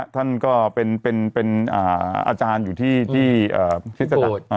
ท่านก็เป็นอาจารย์อยู่ที่ที่บท